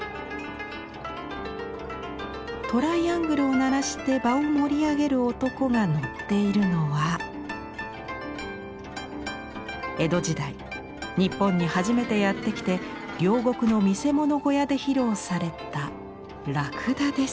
トライアングルを鳴らして場を盛り上げる男が乗っているのは江戸時代日本に初めてやって来て両国の見せ物小屋で披露された駱駝です。